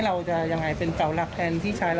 หลังจากนี้จะเป็นเจากลัวแทนที่ชาย